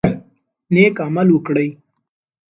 نیک عمل وکړئ.